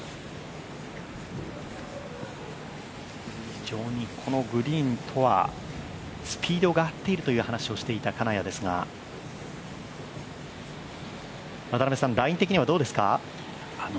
非常にこのグリーンとはスピードが合っているという話をしていた金谷ですがライン的にはどうですか？